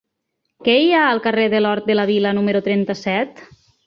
Què hi ha al carrer de l'Hort de la Vila número trenta-set?